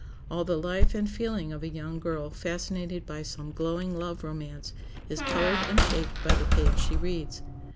All the life and feeling of a young girl fascinated by some glowing love romance is colored and shaped by the page she reads.